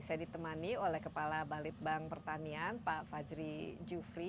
saya ditemani oleh kepala balitbank pertanian pak fajri jufri